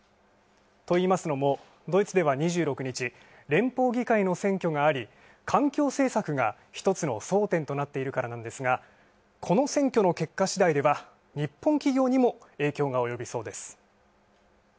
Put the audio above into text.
といいますのも、ドイツでは２６日連邦議会の選挙があり環境政策が一つの争点となっているからなんですがこの選挙の結果しだいでは日本企業にも影響が及びそうです。